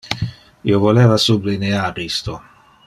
Io voleva sublinear isto.